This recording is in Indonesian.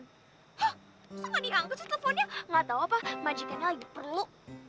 hah kenapa gak diangkat sih teleponnya gak tau apa apa majikan lagi perlu